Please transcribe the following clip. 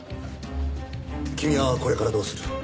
君はこれからどうする？